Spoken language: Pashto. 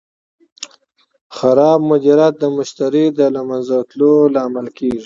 خراب مدیریت د مشتری د له منځه تلو لامل کېږي.